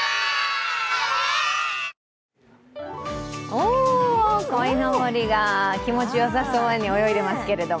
お、こいのぼりが気持ちよさそうに泳いでいますけれども。